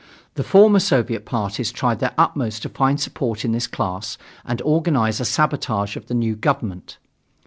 The former Soviet parties tried their utmost to find support in this class and organize a sabotage of the new government.